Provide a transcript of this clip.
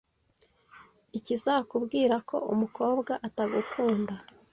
Ikizakubwira ko umukobwa atagukunda